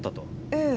ええ。